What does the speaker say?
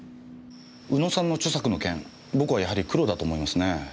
宇野さんの著作の件僕はやはりクロだと思いますね。